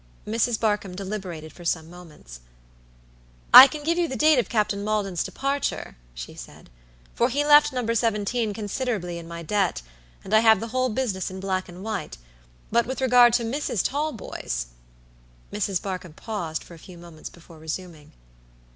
Mrs. Barkamb deliberated for some moments. "I can give you the date of Captain Maldon's departure," she said, "for he left No. 17 considerably in my debt, and I have the whole business in black and white; but with regard to Mrs. Talboys" Mrs. Barkamb paused for a few moments before resuming.